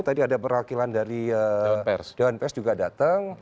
tadi ada perwakilan dari dewan pes juga datang